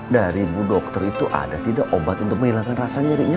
dari bu dokter itu ada tidak obat untuk menghilangkan rasa nyerinya